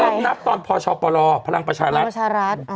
เขาเริ่มนับตอนพชปลพลังประชารัฐ